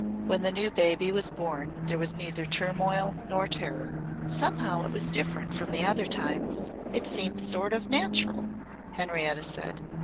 When the new baby was born there was neither turmoil nor terror. "Somehow it was different from the other times. It seemed sort of natural," Henrietta said.